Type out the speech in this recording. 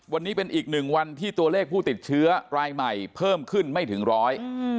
วันนี้เป็นอีกหนึ่งวันที่ตัวเลขผู้ติดเชื้อรายใหม่เพิ่มขึ้นไม่ถึงร้อย